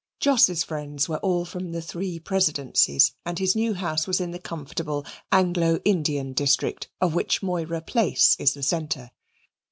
Jos's friends were all from the three presidencies, and his new house was in the comfortable Anglo Indian district of which Moira Place is the centre.